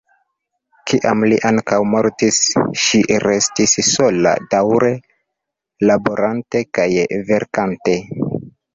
Kiam li ankaŭ mortis, ŝi restis sola, daŭre laborante kaj verkante.